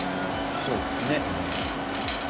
そうですね。